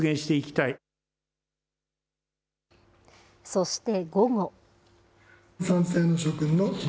そして午後。